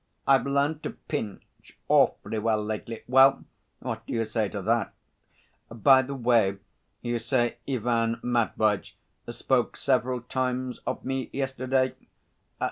I've learnt to pinch awfully well lately. Well, what do you say to that? By the way, you say Ivan Matveitch spoke several times of me yesterday?"